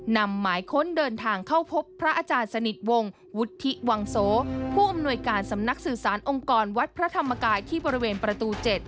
หมายค้นเดินทางเข้าพบพระอาจารย์สนิทวงศ์วุฒิวังโสผู้อำนวยการสำนักสื่อสารองค์กรวัดพระธรรมกายที่บริเวณประตู๗